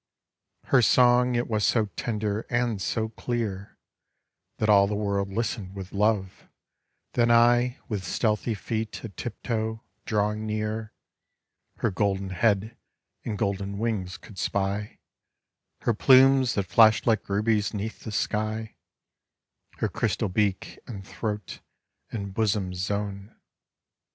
Her song it was so tender and so clear That all the world listened with love; then I With stealthy feet a tiptoe drawing near, Her golden head and golden wings could spy, Her plumes that flashed like rubies 'neath the sky, Her crystal beak and throat and bosom's zone.